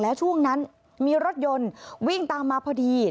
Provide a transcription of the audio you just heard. แล้วช่วงนั้นมีรถยนต์วิ่งตามมาพอดี